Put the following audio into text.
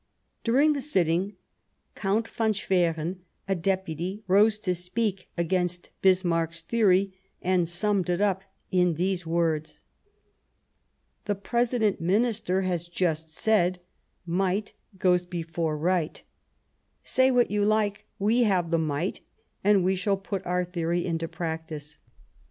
During Ae sitting Count von Schwerin, a Deputy, rose to speak against Bismarck's theory, and summed it up in these words :" The President Minister has just said, ' Might goes before Right '; say what you like, we have the might, and we shall put our theory into prac tice